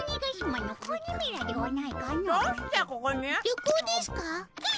旅行ですかあ？